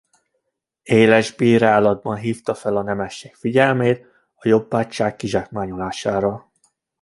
Éles bírálatban hívta fel a nemesség figyelmét a jobbágyság kizsákmányolására.